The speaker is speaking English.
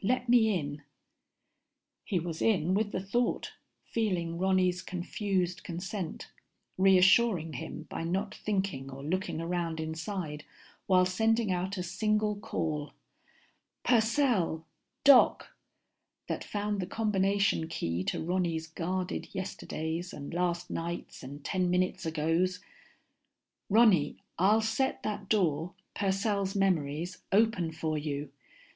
Let me in._ He was in with the thought, feeling Ronny's confused consent, reassuring him by not thinking or looking around inside while sending out a single call, Purcell, Doc, that found the combination key to Ronny's guarded yesterdays and last nights and ten minutes agos. _Ronny, I'll set that door, Purcell's memories, open for you.